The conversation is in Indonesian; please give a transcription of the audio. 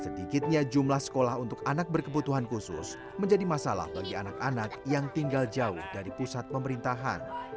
sedikitnya jumlah sekolah untuk anak berkebutuhan khusus menjadi masalah bagi anak anak yang tinggal jauh dari pusat pemerintahan